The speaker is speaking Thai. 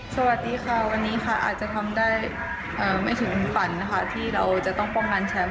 สวัสดีค่ะวันนี้ค่ะอาจจะทำได้ไม่ถึงฝันนะคะที่เราจะต้องป้องกันแชมป์